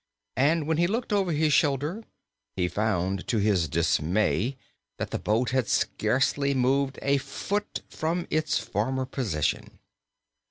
And when he looked over his shoulder he found to his dismay that the boat had scarcely moved a foot from its former position.